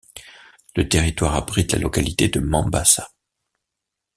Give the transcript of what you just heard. Le territoire abrite la localité de Mambasa.